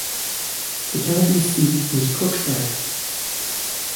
The county seat is Cookshire.